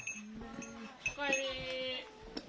おかえり。